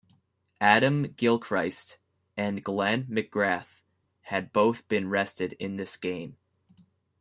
Adam Gilchrist and Glenn McGrath had both been rested in this game.